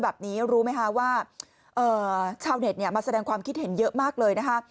แบบนี้รู้ไหมคะว่าชาวเน็ตมาแสดงความคิดเห็นเยอะมากเลยนะคะ